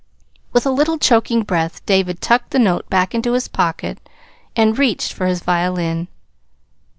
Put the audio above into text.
With a little choking breath, David tucked the note back into his pocket and reached for his violin.